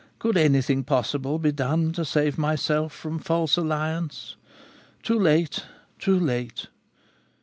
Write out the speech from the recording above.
Could anything possible be done to save myself from false alliance? Too late! too late!